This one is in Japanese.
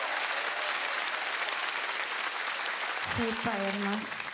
精いっぱいやります。